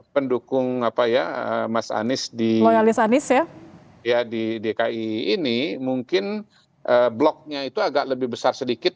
pendukung mas anies di dki ini mungkin bloknya itu agak lebih besar sedikit